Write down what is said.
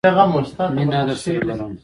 مینه درسره لرم